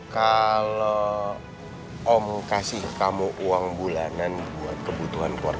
kalau om kasih kamu uang bulanan buat kebutuhan pokok